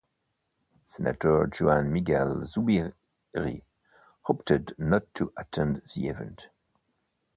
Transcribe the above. Senator Juan Miguel Zubiri opted not to attend the event.